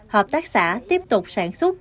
hợp tác xã tiếp tục sản xuất